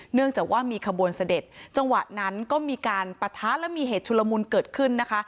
เนื่องจากว่ามีขบวนเสด็จจังหวะนั้นก็มีการปะทะและมีเหตุชุลมุนเกิดขึ้นนะคะ